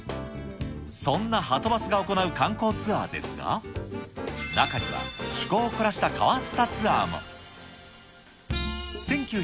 そんなはとバスが行う観光ツアーですが、中には趣向を凝らした変わったツアーも。